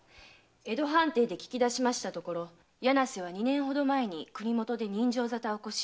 江戸藩邸で聞き出しましたところ柳瀬は二年前に国もとで刃傷沙汰を起こし浪々の身に。